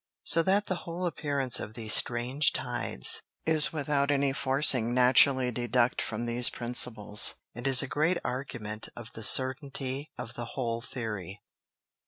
So that the whole appearance of these strange Tides, is without any forcing naturally deduc'd from these Principles, and is a great Argument of the Certainty of the whole Theory.